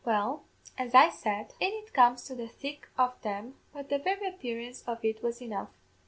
Well, as I said, in it comes to the thick o' them; but the very appearance of it was enough.